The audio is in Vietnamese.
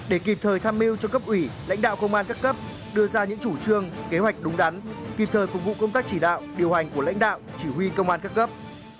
để kịp thời tham mưu cho cấp ủy lãnh đạo công an các cấp đưa ra những chủ trương kế hoạch đúng đắn kịp thời phục vụ công tác chỉ đạo điều hành của lãnh đạo chỉ huy công an các cấp